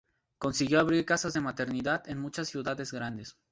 Consiguió abrir casas de maternidad en muchas ciudades grandes.